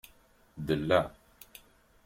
Dleɣ.